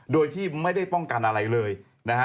โดยที่ไม่ได้ป้องกันอะไรเลยนะฮะ